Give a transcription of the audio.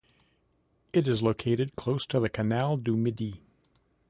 It is located close to the Canal du Midi.